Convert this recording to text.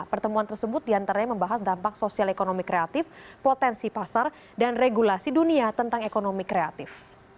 pertemuan tersebut diantaranya membahas dampak sosial ekonomi kreatif potensi pasar dan regulasi dunia tentang ekonomi kreatif